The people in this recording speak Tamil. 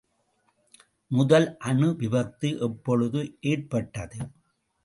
முதல் அணு விபத்து எப்பொழுது ஏற்பட்டது?